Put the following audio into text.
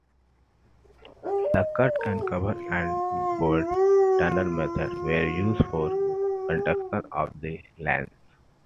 The cut-and-cover and bored tunnel methods were used for construction of the lines.